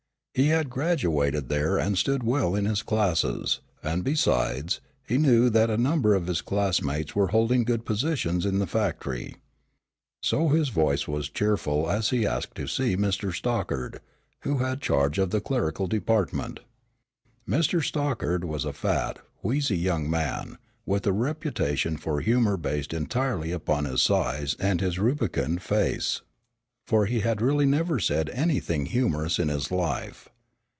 He had graduated there and stood well in his classes, and besides, he knew that a number of his classmates were holding good positions in the factory. So his voice was cheerful as he asked to see Mr. Stockard, who had charge of the clerical department. Mr. Stockard was a fat, wheezy young man, with a reputation for humor based entirely upon his size and his rubicund face, for he had really never said anything humorous in his life.